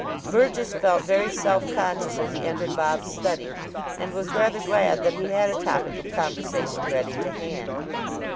Burgess felt very self conscious as he entered Bob's study, and was rather glad that he had a topic of conversation ready to hand.